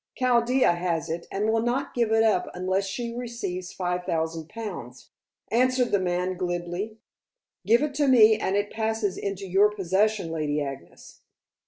"Chaldea has it, and will not give it up unless she receives five thousand pounds," answered the man glibly. "Give it to me and it passes into your possession, Lady Agnes."